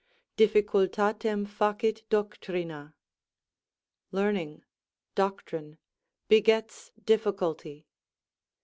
"Difficultatem facit doctrina." ["Learning (Doctrine) begets difficulty."